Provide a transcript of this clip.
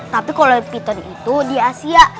tapi kalau ular piton itu di asia